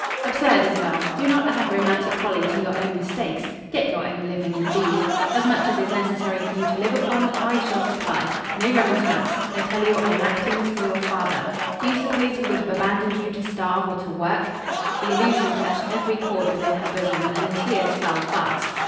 "Absurd, Isabel! Do not add romantic folly to your own mistakes. Get your own living, indeed! As much as is necessary for you to live upon, I shall supply. No remonstrance; I tell you I am acting as for your father. Do you suppose he would have abandoned you to starve or to work?" The allusion touched every chord within her bosom, and the tears fell fast.